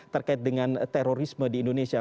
terkait dengan terorisme di indonesia